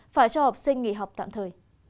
phải cho học sinh nghỉ học tạm thời